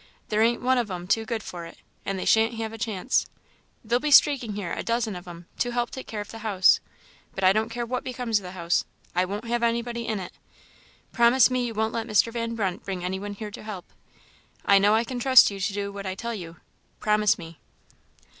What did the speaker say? There ain't one of 'em too good for it, and they shan't have a chance. They'll be streaking here, a dozen of 'em, to help take care of the house; but I don't care what becomes of the house; I won't have anybody in it. Promise me you won't let Mr. Van Brunt bring any one here to help; I know I can trust you to do what I tell you; promise me!"